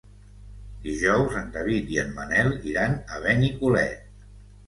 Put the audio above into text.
Dijous en David i en Manel iran a Benicolet.